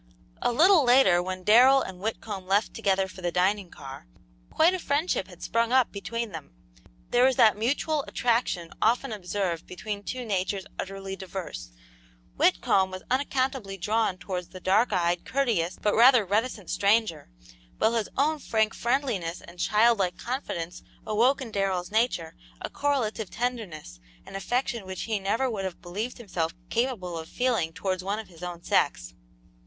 A little later, when Darrell and Whitcomb left together for the dining car, quite a friendship had sprung up between them. There was that mutual attraction often observed between two natures utterly diverse. Whitcomb was unaccountably drawn towards the dark eyed, courteous, but rather reticent stranger, while his own frank friendliness and childlike confidence awoke in Darrell's nature a correlative tenderness and affection which he never would have believed himself capable of feeling towards one of his own sex.